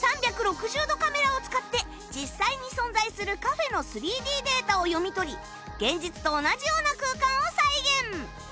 ３６０度カメラを使って実際に存在するカフェの ３Ｄ データを読み取り現実と同じような空間を再現